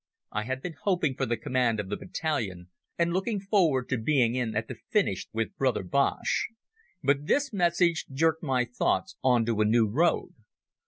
I had been hoping for the command of the battalion, and looking forward to being in at the finish with Brother Boche. But this message jerked my thoughts on to a new road.